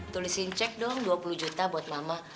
tulisin cek dong dua puluh juta buat mama